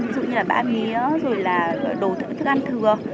ví dụ như là bã mía rồi là đồ thức ăn thừa